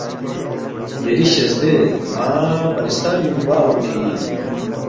یری شزدے ن٘ا پرستانِنگ گوا اونگفی اِن